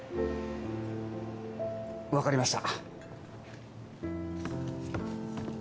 分かりました。